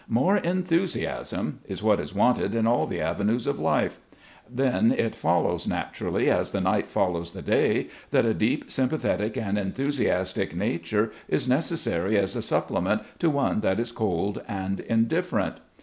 "More enthu siasm " is what is wanted in all the avenues of life. SPECIAL TRAITS. 107 Then it follows, naturally as the night follows the day, that a deep sympathetic and enthusiastic nature is necessary as a supplement to one that is cold and indifferent.